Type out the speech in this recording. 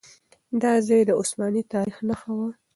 دا ځای د عثماني تاريخ نښه وه.